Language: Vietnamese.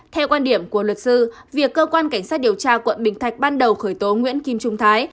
theo quan điểm của luật sư việc cơ quan cảnh sát điều tra quận bình thạnh ban đầu khởi tố nguyễn kim trung thái